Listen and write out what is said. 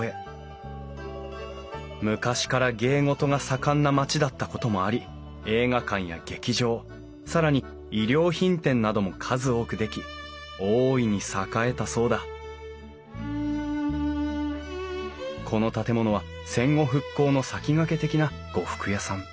昔から芸事が盛んな町だったこともあり映画館や劇場更に衣料品店なども数多く出来大いに栄えたそうだこの建物は戦後復興の先駆け的な呉服屋さん。